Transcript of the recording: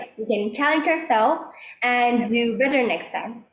kita bisa mencoba dan menjadi lebih baik